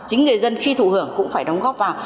chính người dân khi thụ hưởng cũng phải đóng góp vào